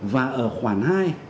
và ở khoảng hai